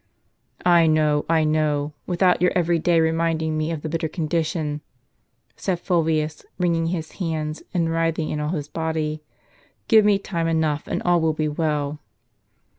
" I know, I know, without your every day reminding me of the bitter condition," said Fulvius, wringing his hands, and writhing in all his body. " Give me time enough, and all will be well."